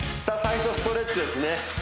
さあ最初ストレッチですね